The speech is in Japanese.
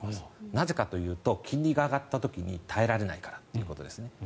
なぜかというと金利が上がった時に耐えられないからですね。